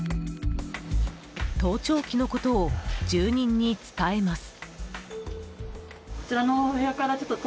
盗聴器のことを住人に伝えます。